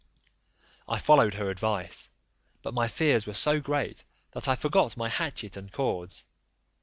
I followed her advice, but my fears were so great, that I forgot my hatchet and cords.